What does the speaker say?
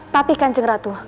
tapi kanjeng ratu